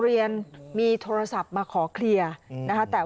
และก็มีการชดใช้ค่าเสียหายไป